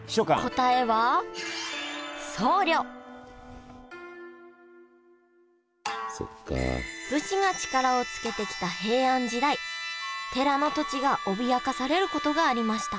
答えは武士が力をつけてきた平安時代寺の土地が脅かされることがありました